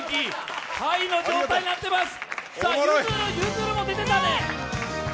ハイの状態になってます。